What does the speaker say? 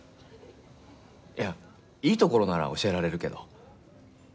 いやいいところなら教えられるけど。